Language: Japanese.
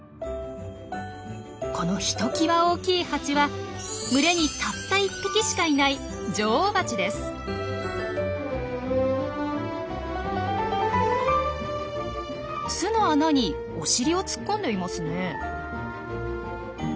このひときわ大きいハチは群れにたった１匹しかいない巣の穴にお尻を突っ込んでいますねえ。